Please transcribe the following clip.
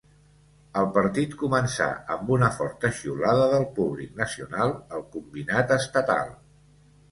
El partit començà amb una forta xiulada del públic nacional al combinat estatal.